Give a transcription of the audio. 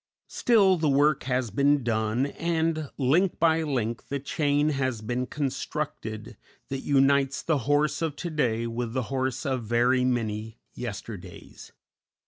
Still, the work has been done, and, link by link, the chain has been constructed that unites the horse of to day with the horse of very many yesterdays.